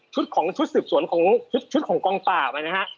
ของชุดสืบสวนของชุดของกองปราบนะฮะ